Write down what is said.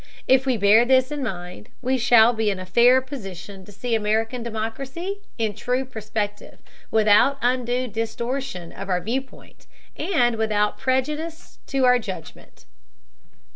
If we bear this in mind, we shall be in a fair position to see American democracy in true perspective, without undue distortion of our viewpoint, and without prejudice to our judgment.